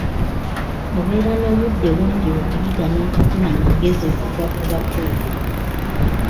Obeera n'obudde bungi okuyiga n'okufuna amagezi okuva ku bakulu.